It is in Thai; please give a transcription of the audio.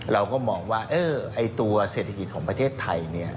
เราก็มองว่าตัวเศรษฐกิจของประเทศไทยเนี่ย